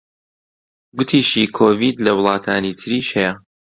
گوتیشی کۆڤید لە وڵاتانی تریش هەیە